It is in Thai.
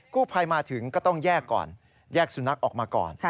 ภัยมาถึงก็ต้องแยกก่อนแยกสุนัขออกมาก่อน